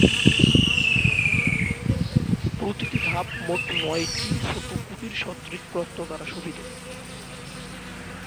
প্রতিটি ধাপ মোট নয়টি ছোট কুটির সদৃশ ‘রত্ন’ দ্বারা শোভিত।